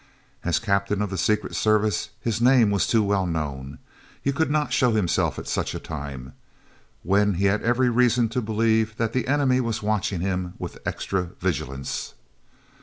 As Captain of the Secret Service, his name was too well known. He could not show himself at such a time, when he had every reason to believe that the enemy was watching him with extra vigilance.